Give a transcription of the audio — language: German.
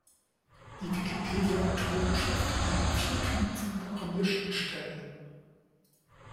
Die Wikipedia-Autorenschaft nennt vier Typen von Programmierschnittstellen.